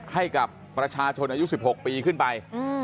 ให้กับประชาชนอายุ๑๖ปีขึ้นไป